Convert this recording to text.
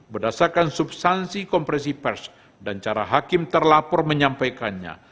berdasarkan substansi kompresi pers dan cara hakim terlapor menyampaikannya